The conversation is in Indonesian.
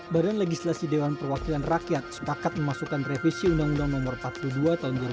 badan legislasi dewan perwakilan rakyat sepakat memasukkan revisi undang undang no empat puluh dua tahun dua ribu dua